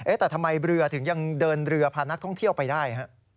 แต่ทำไมเรือถึงยังเดินเรือพานักท่องเที่ยวไปได้ฮะ